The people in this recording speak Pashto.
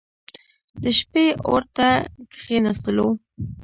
د شپې اور ته کښېنستلو.